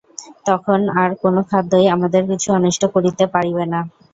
তখন আর কোন খাদ্যই আমাদের কিছু অনিষ্ট করিতে পারিবে না।